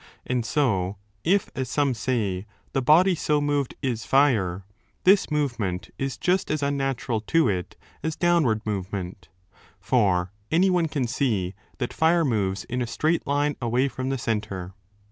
And so, if, as some say, the body so moved is fire, this movement is just as unnatural to it as downward movement; for any one can see that fire moves in a straight line away from the centre.